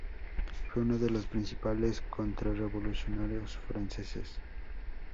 Fue uno de los principales contrarrevolucionarios franceses.